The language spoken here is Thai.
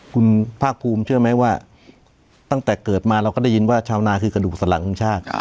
คุณภาคภูมิเชื่อไหมว่าตั้งแต่เกิดมาเราก็ได้ยินว่าชาวนาคือกระดูกสลังของชาติ